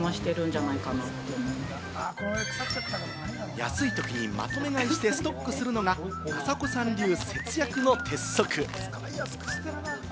安いときにまとめ買いしてストックするのが朝子さん流節約の鉄則。